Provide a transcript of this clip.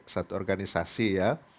satu organisasi ya